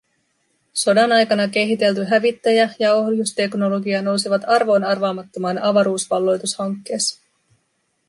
Sodan aikana kehitelty hävittäjä- ja ohjusteknologia nousivat arvoon arvaamattomaan avaruusvalloitushankkeessa.